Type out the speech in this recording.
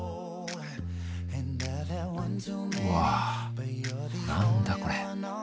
うわ何だこれ。